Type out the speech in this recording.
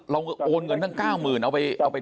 เราโอนเงินทั้ง๙๐๐๐๐เอาไปทำอะไรอะ